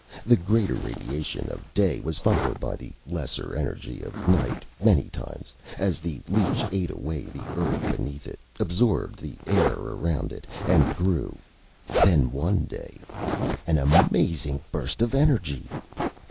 The greater radiation of day was followed by the lesser energy of night many times, as the leech ate away the earth beneath it, absorbed the air around it, and grew. Then one day An amazing burst of energy!